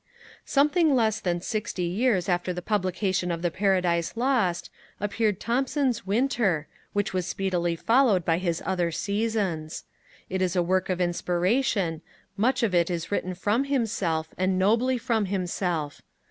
Something less than sixty years after the publication of the Paradise Lost appeared Thomson's Winter, which was speedily followed by his other Seasons. It is a work of inspiration, much of it is written from himself, and nobly from himself.